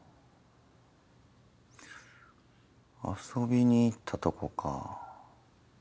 遊びに行ったとこか。